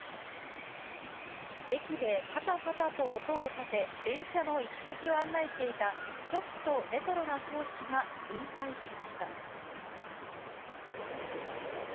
駅でパタパタと音を立て、電車の行き先を案内していた、ちょっとレトロな装置が引退しました。